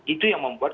itu yang membuat